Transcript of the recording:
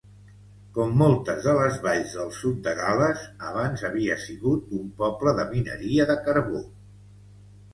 Com moltes de les valls del sud de Gal·les, abans havia sigut un poble de mineria de carbó.